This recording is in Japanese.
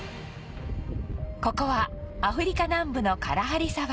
ここはアフリカ南部のカラハリ砂漠